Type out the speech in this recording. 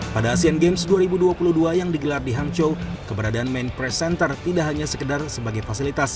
pada asean games dua ribu dua puluh dua yang digelar di hangzhou keberadaan main press center tidak hanya sekedar sebagai fasilitas